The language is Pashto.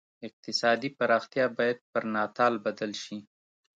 اقتصادي پراختیا باید پر ناتال بدل شي.